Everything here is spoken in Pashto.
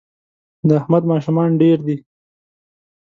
د احمد ماشومان ډېر دي